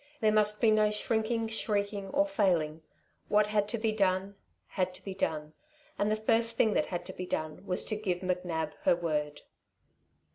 There must be no shrinking, shrieking, or failing. What had to be done, had to be done, and the first thing that had to be done was to give McNab her word.